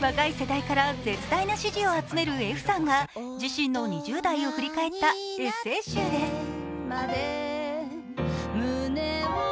若い世代から絶大な支持を集めるＦさんが自身の２０代を振り返ったエッセイ集です。